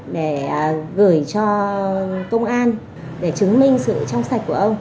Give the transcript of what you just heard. để gửi cho công an để chứng minh sự trong sạch của ông